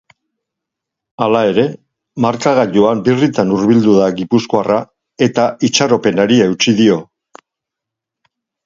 Hala ere, markagailuan birritan hurbildu da gipuzkoarra eta itxaropenari eutsi dio.